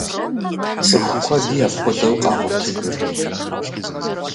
Цӏыху куэди апхуэдэу къагъуэтыжырт.